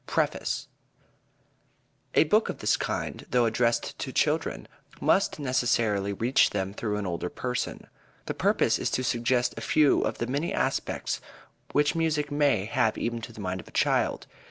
PREFACE A book of this kind, though addressed to children, must necessarily reach them through an older person. The purpose is to suggest a few of the many aspects which music may have even to the mind of a child.